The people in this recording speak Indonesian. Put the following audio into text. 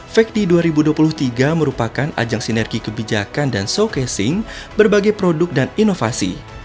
fact di dua ribu dua puluh tiga merupakan ajang sinergi kebijakan dan showcasing berbagai produk dan inovasi